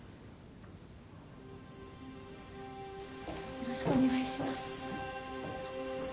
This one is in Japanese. よろしくお願いします。